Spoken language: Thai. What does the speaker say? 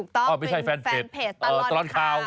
ถูกต้องเป็นแฟนเพจตลอดข่าว